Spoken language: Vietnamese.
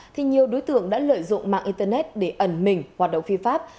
thì nhiều đối tượng đã lợi dụng mạng internet để ẩn mình hoạt động phi pháp